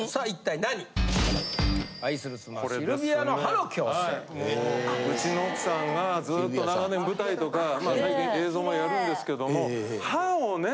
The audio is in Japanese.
もううちの奥さんがずっと長年舞台とかまあ最近映像もやるんですけども歯をね